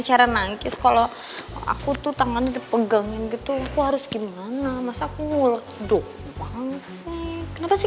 cara nangkis kalau aku tuh tangannya dipegangin gitu harus gimana masa aku doang sih kenapa sih